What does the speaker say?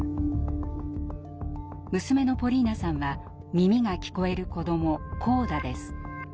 娘のポリーナさんは耳が聞こえる子ども「コーダ」です。